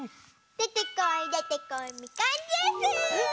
でてこいでてこいみかんジュース！